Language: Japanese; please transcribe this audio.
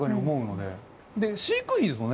で飼育費ですもんね。